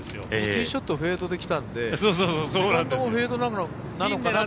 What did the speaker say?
ティーショットフェードできたんでグラウンドもフェードだから。